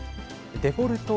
デフォルト＝